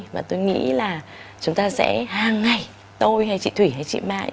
và tôi nghĩ là chúng ta sẽ hàng ngày tôi hay chị thủy hay chị mai